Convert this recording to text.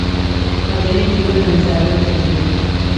مدني ټولنه نظارت کوي